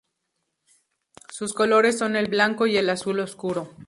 Sus colores son el blanco y azul oscuro.